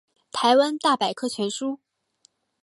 台湾大百科全书